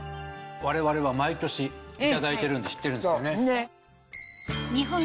我々は毎年いただいてるんで知ってるんですよね。